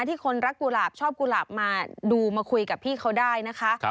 ที่คนรักกุหลาบชอบกุหลาบมาดูมาคุยกับพี่เขาได้นะคะ